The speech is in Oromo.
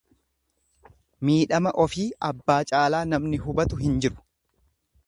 Miidhama ofii abbaa caalaa namni hubatu hin iru.